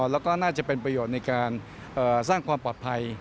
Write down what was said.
แล้วก็น่าจะเป็นประโยชน์ในการสร้างความปลอดภัย